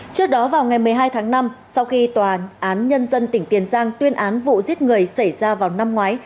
trước đó vào ngày một mươi hai tháng năm sau khi tòa án nhân dân tỉnh tiền giang tuyên án vụ giết người xảy ra vào năm ngoái